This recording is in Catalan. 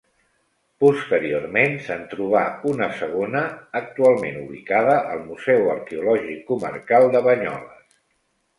Posteriorment se'n trobà una segona actualment ubicada al Museu Arqueològic Comarcal de Banyoles.